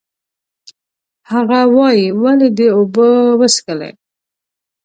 هغه وایي، ولې دې اوبه وڅښلې؟